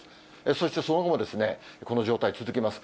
そしてその後もこの状態続きます。